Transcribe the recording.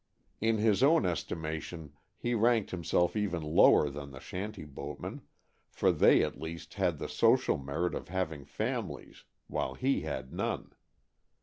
In his own estimation he ranked himself even lower than the shanty boatmen, for they at least had the social merit of having families, while he had none.